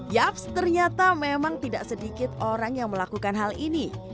yaps ternyata memang tidak sedikit orang yang melakukan hal ini